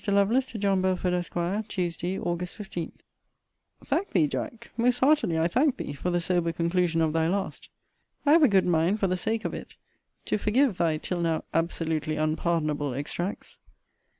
LOVELACE, TO JOHN BELFORD, ESQ. TUESDAY, AUG. 15.* * Text error: should be Aug. 16. Thank thee, Jack; most heartily I thank thee, for the sober conclusion of thy last! I have a good mind, for the sake of it, to forgive thy till now absolutely unpardonable extracts.